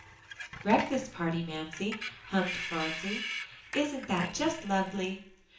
"Breakfast party, Mamsie!" hummed Phronsie; "isn't that just lovely?"